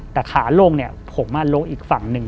แต่ขาลงเนี่ยผมลงอีกฝั่งหนึ่ง